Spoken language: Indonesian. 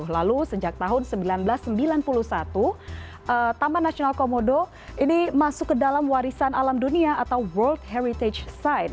lalu sejak tahun seribu sembilan ratus sembilan puluh satu taman nasional komodo ini masuk ke dalam warisan alam dunia atau world heritage side